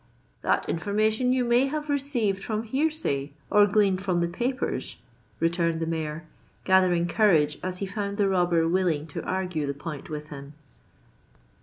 —"That information you may have received from hearsay or gleaned from the papers," returned the Mayor, gathering courage as he found the robber willing to argue the point with him.